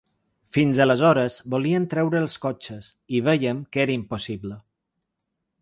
Fins aleshores volien treure els cotxes i vèiem que era impossible.